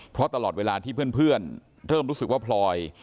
เพราะตลอดเวลาที่เพื่อนเริ่มรู้สึกว่าพลอย